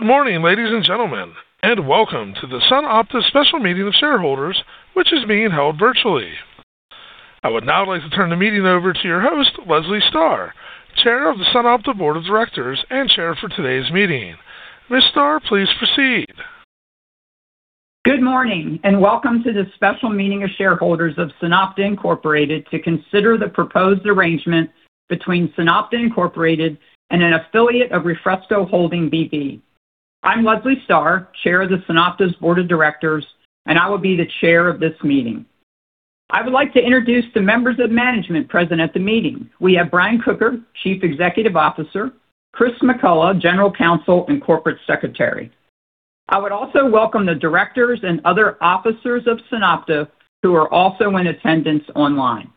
Good morning, ladies and gentlemen, and welcome to the SunOpta special meeting of shareholders, which is being held virtually. I would now like to turn the meeting over to your host, Leslie Starr, Chair of the SunOpta Board of Directors and Chair for today's meeting. Ms. Starr, please proceed. Good morning, and welcome to the special meeting of shareholders of SunOpta Incorporated to consider the proposed arrangement between SunOpta Incorporated and an affiliate of Refresco Holding B.V. I'm Leslie Starr, Chair of the SunOpta's board of directors, and I will be the chair of this meeting. I would like to introduce the members of management present at the meeting. We have Brian Kocher, Chief Executive Officer, Chris McCullough, General Counsel and Corporate Secretary. I would also welcome the directors and other officers of SunOpta who are also in attendance online.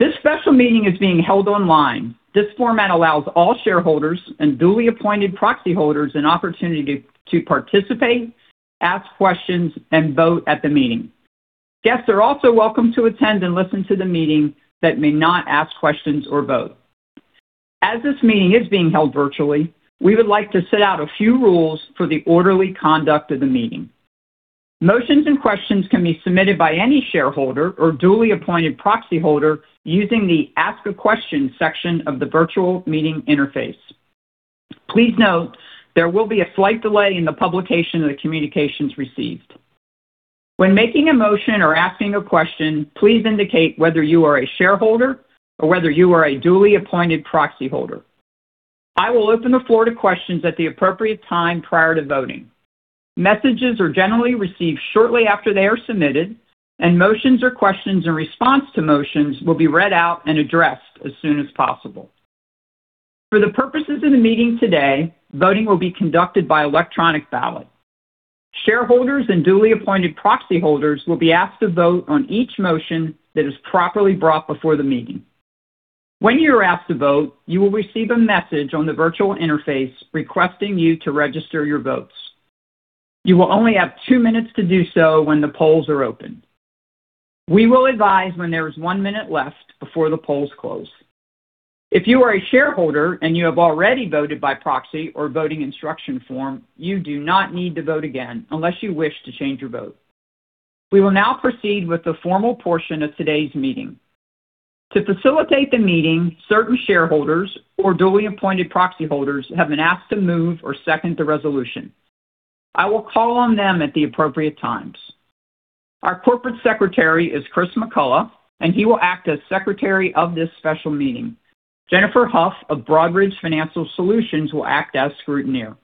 This special meeting is being held online. This format allows all shareholders and duly appointed proxy holders an opportunity to participate, ask questions, and vote at the meeting. Guests are also welcome to attend and listen to the meeting, but may not ask questions or vote. As this meeting is being held virtually, we would like to set out a few rules for the orderly conduct of the meeting. Motions and questions can be submitted by any shareholder or duly appointed proxy holder using the Ask a Question section of the virtual meeting interface. Please note there will be a slight delay in the publication of the communications received. When making a motion or asking a question, please indicate whether you are a shareholder or whether you are a duly appointed proxy holder. I will open the floor to questions at the appropriate time prior to voting. Messages are generally received shortly after they are submitted, and motions or questions and response to motions will be read out and addressed as soon as possible. For the purposes of the meeting today, voting will be conducted by electronic ballot. Shareholders and duly appointed proxy holders will be asked to vote on each motion that is properly brought before the meeting. When you are asked to vote, you will receive a message on the virtual interface requesting you to register your votes. You will only have two minutes to do so when the polls are open. We will advise when there is one minute left before the polls close. If you are a shareholder and you have already voted by proxy or voting instruction form, you do not need to vote again unless you wish to change your vote. We will now proceed with the formal portion of today's meeting. To facilitate the meeting, certain shareholders or duly appointed proxy holders have been asked to move or second the resolution. I will call on them at the appropriate times. Our corporate secretary is Chris McCullough, and he will act as secretary of this special meeting. Jennifer Huff of Broadridge Financial Solutions will act as scrutineer.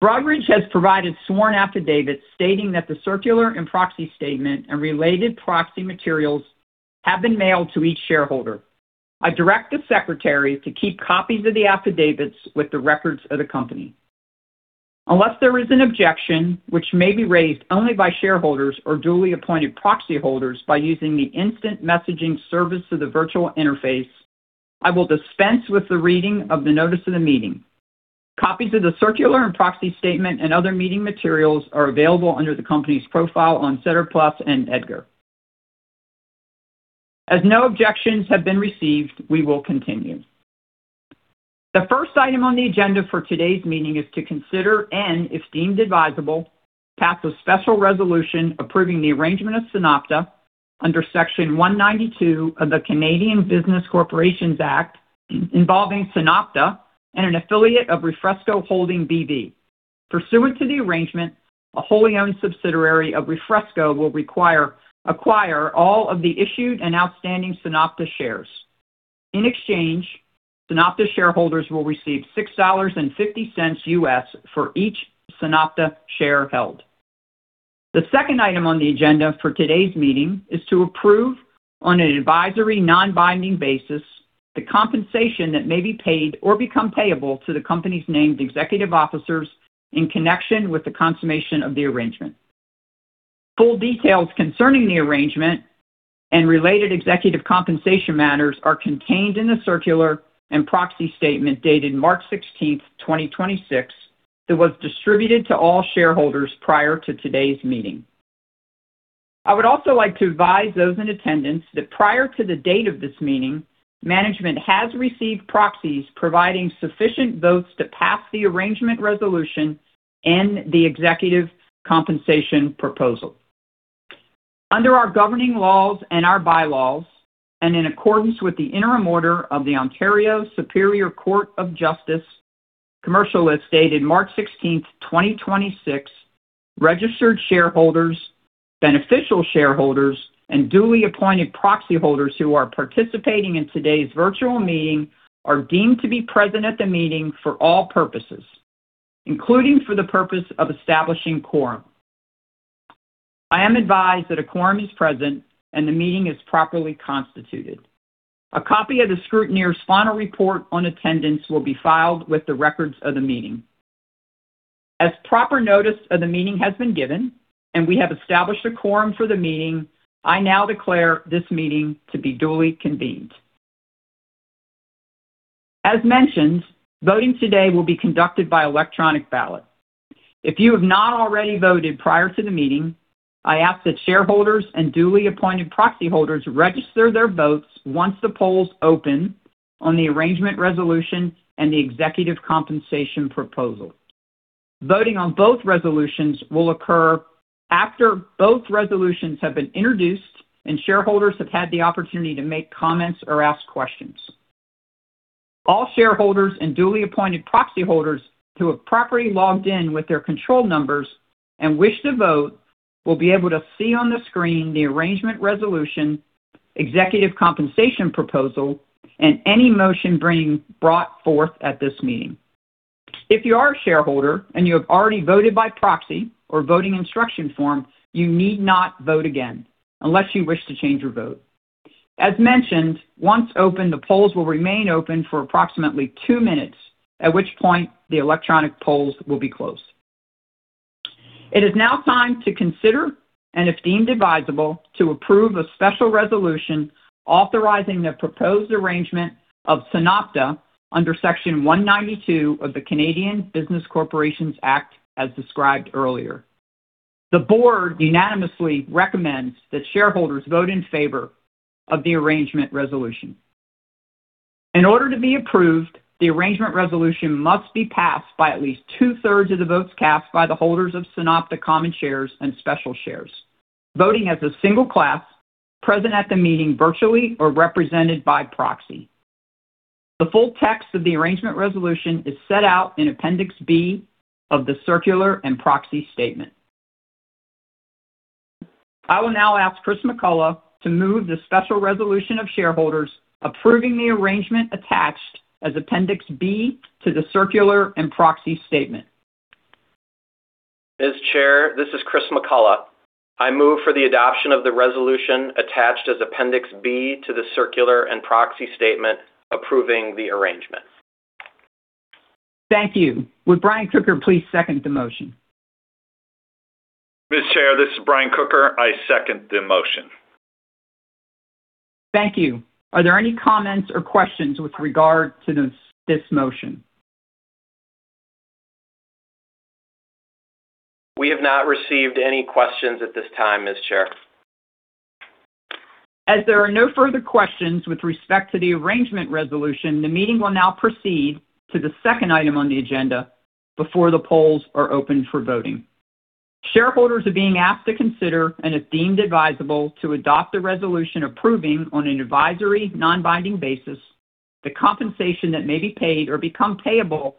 Broadridge has provided sworn affidavits stating that the circular and proxy statement and related proxy materials have been mailed to each shareholder. I direct the secretary to keep copies of the affidavits with the records of the company. Unless there is an objection, which may be raised only by shareholders or duly appointed proxy holders by using the instant messaging service of the virtual interface, I will dispense with the reading of the notice of the meeting. Copies of the circular and proxy statement and other meeting materials are available under the company's profile on SEDAR+ and EDGAR. As no objections have been received, we will continue. The first item on the agenda for today's meeting is to consider and, if deemed advisable, pass a special resolution approving the arrangement of SunOpta under Section 192 of the Canada Business Corporations Act involving SunOpta and an affiliate of Refresco Holding B.V. Pursuant to the arrangement, a wholly owned subsidiary of Refresco will acquire all of the issued and outstanding SunOpta shares. In exchange, SunOpta shareholders will receive $6.50 for each SunOpta share held. The second item on the agenda for today's meeting is to approve, on an advisory, non-binding basis, the compensation that may be paid or become payable to the company's named executive officers in connection with the consummation of the arrangement. Full details concerning the arrangement and related executive compensation matters are contained in the circular and proxy statement dated 16th March, 2026, that was distributed to all shareholders prior to today's meeting. I would also like to advise those in attendance that prior to the date of this meeting, management has received proxies providing sufficient votes to pass the arrangement resolution and the executive compensation proposal. Under our governing laws and our bylaws, and in accordance with the interim order of the Ontario Superior Court of Justice, Commercial List, as dated 16th March, 2026, registered shareholders, beneficial shareholders, and duly appointed proxy holders who are participating in today's virtual meeting are deemed to be present at the meeting for all purposes, including for the purpose of establishing quorum. I am advised that a quorum is present and the meeting is properly constituted. A copy of the scrutineer's final report on attendance will be filed with the records of the meeting. As proper notice of the meeting has been given and we have established a quorum for the meeting, I now declare this meeting to be duly convened. As mentioned, voting today will be conducted by electronic ballot. If you have not already voted prior to the meeting, I ask that shareholders and duly appointed proxy holders register their votes once the polls open on the arrangement resolution and the executive compensation proposal. Voting on both resolutions will occur after both resolutions have been introduced and shareholders have had the opportunity to make comments or ask questions. All shareholders and duly appointed proxy holders who have properly logged in with their control numbers and wish to vote will be able to see on the screen the arrangement resolution, executive compensation proposal, and any motion brought forth at this meeting. If you are a shareholder and you have already voted by proxy or voting instruction form, you need not vote again unless you wish to change your vote. As mentioned, once open, the polls will remain open for approximately two minutes, at which point the electronic polls will be closed. It is now time to consider, and if deemed advisable, to approve a special resolution authorizing the proposed arrangement of SunOpta under Section 192 of the Canada Business Corporations Act, as described earlier. The board unanimously recommends that shareholders vote in favor of the arrangement resolution. In order to be approved, the arrangement resolution must be passed by at least 2/3 of the votes cast by the holders of SunOpta common shares and special shares voting as a single class, present at the meeting virtually or represented by proxy. The full text of the arrangement resolution is set out in Appendix B of the circular and proxy statement. I will now ask Chris McCullough to move the special resolution of shareholders approving the arrangement attached as Appendix B to the circular and proxy statement. Ms. Chair, this is Chris McCullough. I move for the adoption of the resolution attached as Appendix B to the circular and proxy statement approving the arrangement. Thank you. Would Brian Kocher please second the motion? Ms. Chair, this is Brian Kocher. I second the motion Thank you. Are there any comments or questions with regard to this motion? We have not received any questions at this time, Ms. Chair. As there are no further questions with respect to the arrangement resolution, the meeting will now proceed to the second item on the agenda before the polls are opened for voting. Shareholders are being asked to consider, and if deemed advisable, to adopt a resolution approving, on an advisory, non-binding basis, the compensation that may be paid or become payable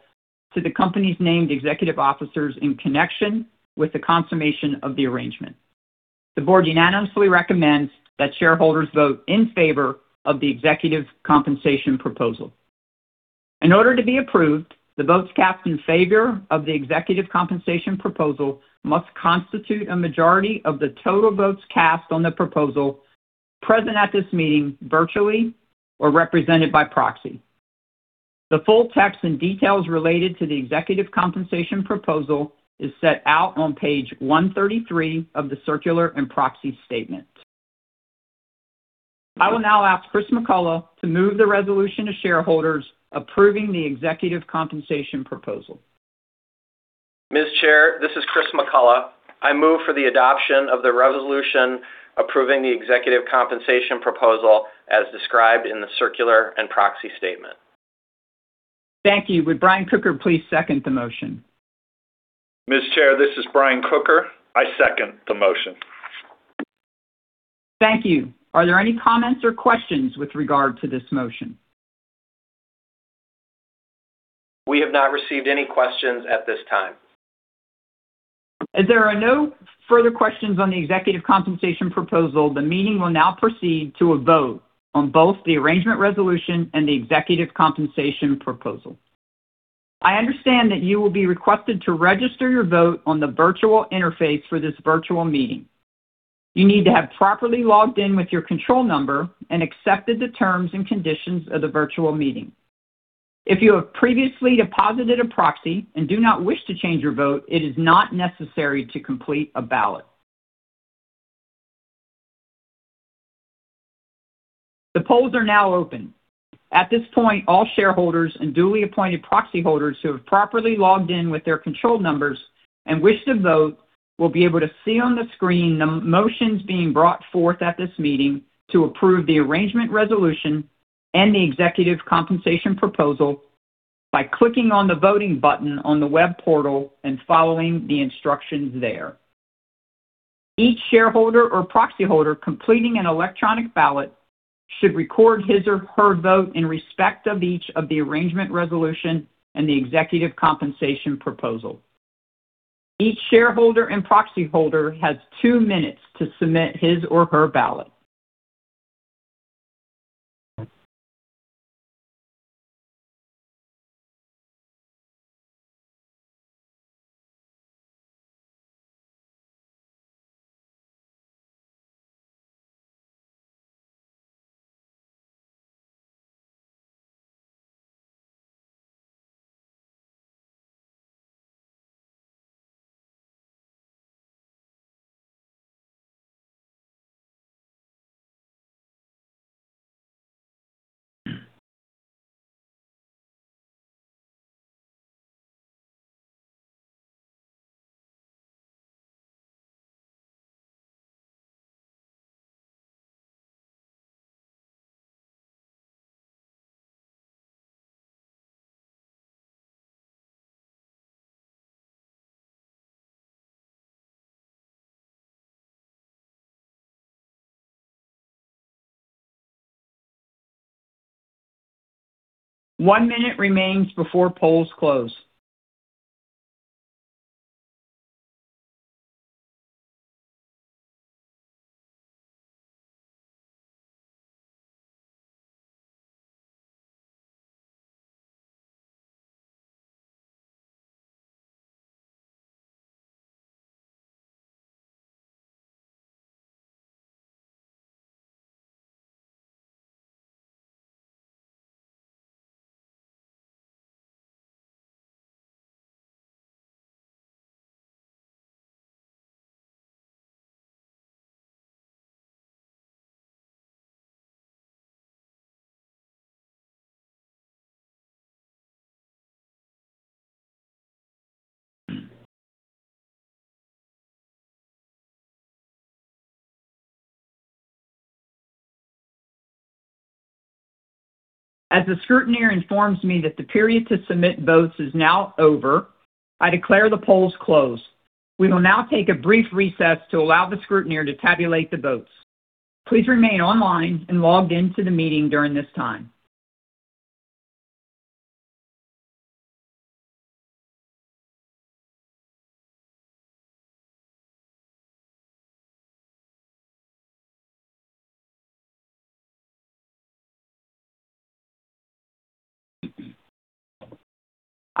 to the company's named executive officers in connection with the consummation of the arrangement. The Board unanimously recommends that shareholders vote in favor of the executive compensation proposal. In order to be approved, the votes cast in favor of the executive compensation proposal must constitute a majority of the total votes cast on the proposal, present at this meeting, virtually or represented by proxy. The full text and details related to the executive compensation proposal is set out on page 133 of the circular and proxy statement. I will now ask Chris McCullough to move the resolution of shareholders approving the executive compensation proposal. Ms. Chair, this is Chris McCullough. I move for the adoption of the resolution approving the executive compensation proposal as described in the circular and proxy statement. Thank you. Would Brian Kocher please second the motion? Ms. Chair, this is Brian Kocher. I second the motion. Thank you. Are there any comments or questions with regard to this motion? We have not received any questions at this time. As there are no further questions on the executive compensation proposal, the meeting will now proceed to a vote on both the arrangement resolution and the executive compensation proposal. I understand that you will be requested to register your vote on the virtual interface for this virtual meeting. You need to have properly logged in with your control number and accepted the terms and conditions of the virtual meeting. If you have previously deposited a proxy and do not wish to change your vote, it is not necessary to complete a ballot. The polls are now open. At this point, all shareholders and duly appointed proxy holders who have properly logged in with their control numbers and wish to vote will be able to see on the screen the motions being brought forth at this meeting to approve the arrangement resolution and the executive compensation proposal by clicking on the voting button on the web portal and following the instructions there. Each shareholder or proxy holder completing an electronic ballot should record his or her vote in respect of each of the arrangement resolution and the executive compensation proposal. Each shareholder and proxy holder has two minutes to submit his or her ballot. One minute remains before polls close. As the scrutineer informs me that the period to submit votes is now over, I declare the polls closed. We will now take a brief recess to allow the scrutineer to tabulate the votes. Please remain online and logged into the meeting during this time.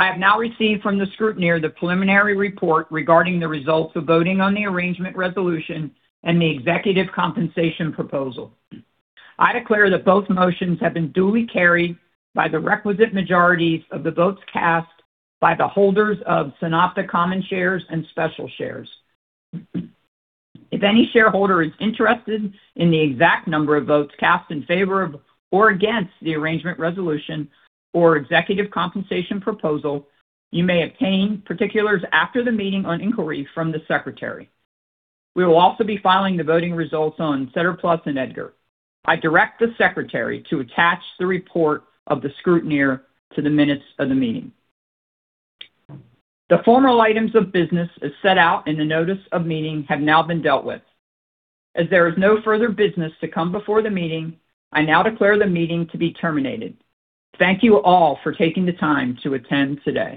I have now received from the scrutineer the preliminary report regarding the results of voting on the arrangement resolution and the executive compensation proposal. I declare that both motions have been duly carried by the requisite majorities of the votes cast by the holders of SunOpta common shares and special shares. If any shareholder is interested in the exact number of votes cast in favor of or against the arrangement resolution or executive compensation proposal, you may obtain particulars after the meeting on inquiry from the secretary. We will also be filing the voting results on SEDAR+ and EDGAR. I direct the secretary to attach the report of the scrutineer to the minutes of the meeting. The formal items of business as set out in the notice of meeting have now been dealt with. As there is no further business to come before the meeting, I now declare the meeting to be terminated. Thank you all for taking the time to attend today.